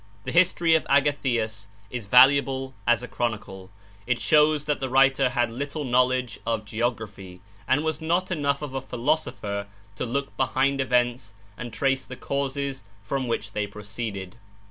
The history of Agathias is valuable as a chronicle. It shows that the writer had little knowledge of geography, and was not enough of a philosopher to look behind events and trace the causes from which they proceeded.